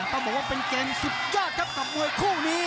ต้องบอกว่าเป็นเกมสุดยอดครับกับมวยคู่นี้